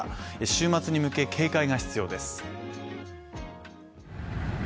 週末に向け警戒が必要です。